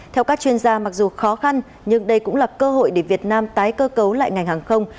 theo các chuyên gia mặc dù khó khăn nhưng đây cũng là cơ hội để việt nam tái cơ cấu lại ngành hàng không